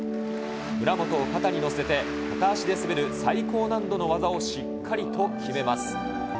村元を肩に乗せて、片足で滑る最高難度の技をしっかりと決めます。